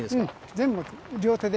全部両手で。